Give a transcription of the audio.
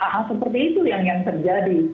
hal seperti itu yang terjadi